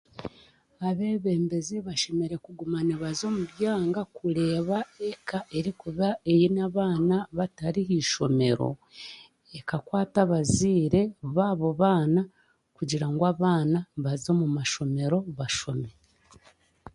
Abeebembezi bashemereire kuguma nibaza omu byanga kureeba eka erikuba eine abaana batari haishomero ekakwata abazaire baabo baana kugira ngu abaana baze omu mashomero bashome